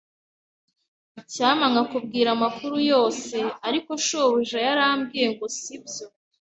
Icyampa nkakubwira amakuru yose, ariko shobuja yarambwiye ngo sibyo.